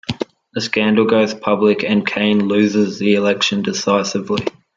The scandal goes public and Kane loses the election decisively.